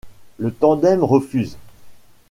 Le tandem refuse.